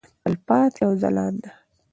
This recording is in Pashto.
تلپاتې او ځلانده.